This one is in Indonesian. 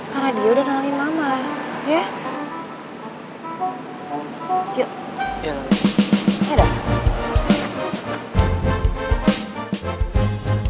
karena dia udah nolain mama